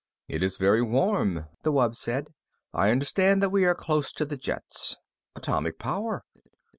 "It is very warm," the wub said. "I understand that we are close to the jets. Atomic power.